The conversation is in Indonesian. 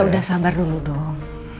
udah sabar dulu dong